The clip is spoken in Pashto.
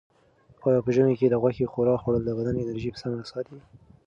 آیا په ژمي کې د غوښې ښوروا خوړل د بدن انرژي په سمه ساتي؟